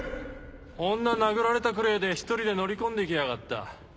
女殴られたくれぇで１人で乗り込んで来やがった。